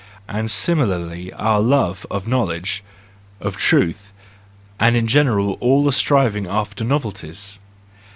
And similarly our love of knowledge, of truth; and in general all the striving after novelties?